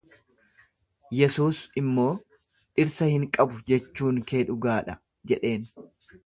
Yesuus immoo, Dhirsa hin qabu jechuun kee dhugaa dha jedheen.